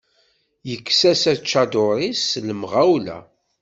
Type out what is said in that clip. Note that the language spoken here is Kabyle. Yekkes-as aččadur-is s lemɣawla.